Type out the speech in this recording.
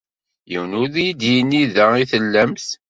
Yiwen ur iyi-d-yenni da ay tellamt.